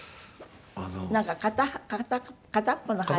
なんか片っぽの肺が。